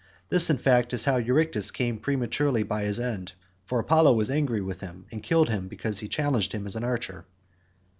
This in fact was how Eurytus came prematurely by his end, for Apollo was angry with him and killed him because he challenged him as an archer.